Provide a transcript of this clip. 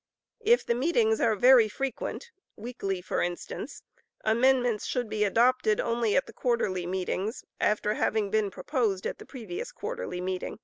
If the meetings are very frequent, weekly, for instance, amendments should be adopted only at the quarterly meetings, after having been proposed at the previous quarterly meeting.